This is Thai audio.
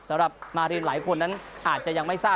สำหรับมารินหลายคนนั้นอาจจะยังไม่ทราบ